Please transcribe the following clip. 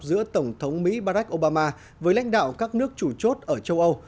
giữa tổng thống mỹ barack obama với lãnh đạo các nước chủ chốt ở châu âu